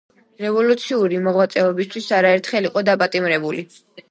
რევოლუციური მოღვაწეობისათვის არაერთხელ იყო დაპატიმრებული.